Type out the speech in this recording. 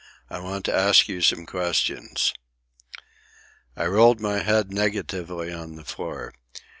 I want to ask you some questions." I rolled my head negatively on the floor.